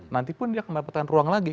nanti pun dia akan mendapatkan ruang lagi